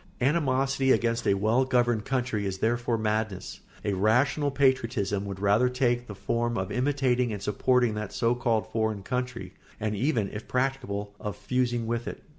Animosity against a well governed country is therefore madness. A rational patriotism would rather take the form of imitating and supporting that so called foreign country, and even, if practicable, of fusing with it.